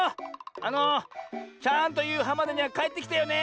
あのちゃんとゆうはんまでにはかえってきてよね。